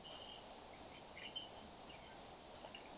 Apoyó e impulso Acción Católica.